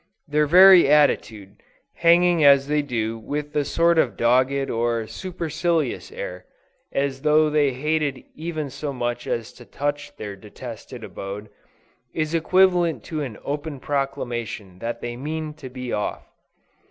Their very attitude, hanging as they do with a sort of dogged or supercilious air, as though they hated even so much as to touch their detested abode, is equivalent to an open proclamation that they mean to be off.